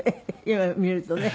今見るとね。